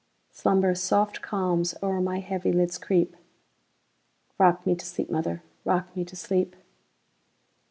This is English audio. Slumber's soft calms o'er my heavy lids creep;—Rock me to sleep, mother,—rock me to sleep!